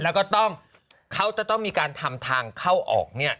แล้วก็ต้องเขาจะต้องมีการทำทางเข้าออก